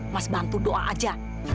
mas bantu doa aja